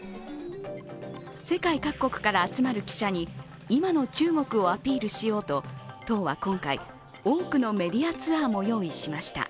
世界各国から集まる記者に今の中国をアピールしようと党は今回、多くのメディアツアーも用意しました。